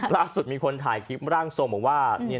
ล่าสุดมีคนถ่ายคลิปร่างทรงบอกว่า